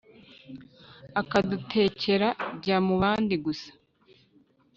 akadutekera jyamubandi gusa